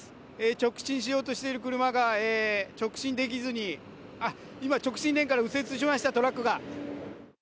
直進しようとしている車が直進できずに、あっ、今、直進レーンから右折しました、